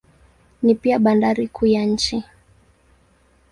Ni pia bandari kuu ya nchi.